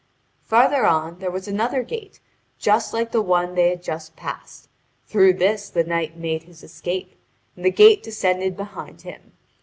Farther on there was another gate just like the one they had just passed; through this the knight made his escape, and the gate descended behind him.